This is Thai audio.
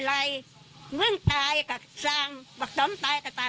วันไหร่มึงตายก็สร้างประสงค์ตายก็ตาย